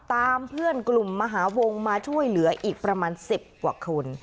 ตามเพื่อนกลุ่มมหาวงมาช่วยเหลืออีกประมาณ๑๐กว่าคน